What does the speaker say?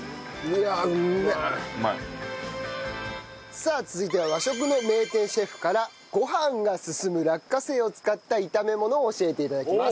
さあ続いては和食の名店シェフからご飯がすすむ落花生を使った炒め物を教えて頂きます。